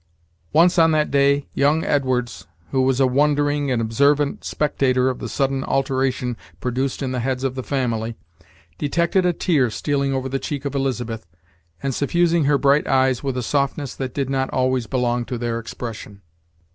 Once on that day, young Edwards, who was a wondering and observant spectator of the sudden alteration produced in the heads of the family, detected a tear stealing over the cheek of Elizabeth, and suffusing her bright eyes with a softness that did not always belong to their expression.